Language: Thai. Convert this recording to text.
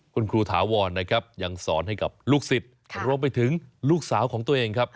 คุณครูถาวรนะครับยังสอนให้กับลูกศิษย์รวมไปถึงลูกสาวของตัวเองครับ